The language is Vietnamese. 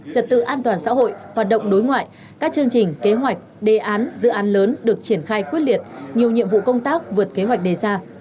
trật tự an toàn xã hội hoạt động đối ngoại các chương trình kế hoạch đề án dự án lớn được triển khai quyết liệt nhiều nhiệm vụ công tác vượt kế hoạch đề ra